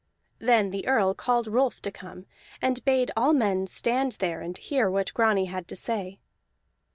Then the Earl called Rolf to come, and bade all men stand there and hear what Grani had to say.